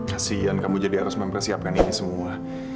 kasian kamu jadi harus mempersiapkan ini semua